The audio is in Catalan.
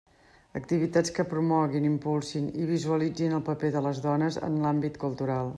Activitats que promoguin, impulsin i visualitzin el paper de les dones en l'àmbit cultural.